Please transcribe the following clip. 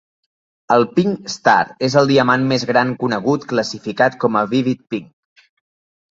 El Pink Star és el diamant més gran conegut classificat com a Vivid Pink.